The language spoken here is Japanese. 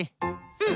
うん。